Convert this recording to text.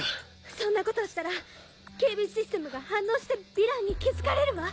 そんなことをしたら警備システムが反応してヴィランに気付かれるわ。